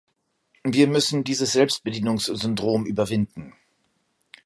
Wir müssen dieses Selbstbedienungssyndrom überwinden.